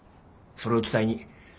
それを伝えに。